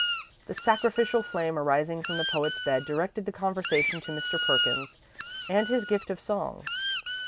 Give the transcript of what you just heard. The sacrificial flame arising from the poet's bed directed the conversation to Mr. Perkins and his gift of song.